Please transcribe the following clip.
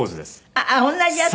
あっ同じやつ？